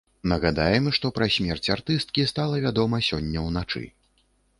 Нагадаем, што пра смерць артысткі стала вядома сёння ўначы.